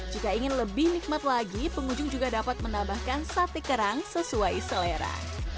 jika ingin lebih nikmat lagi pengunjung juga dapat menambahkan sate kerang sesuai selera